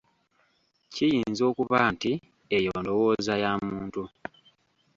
Kiyinza okuba nti eyo ndowooza ya muntu.